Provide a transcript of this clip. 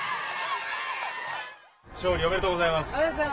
勝利おめでとうございます。